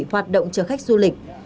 hoạt động cho khách du lịch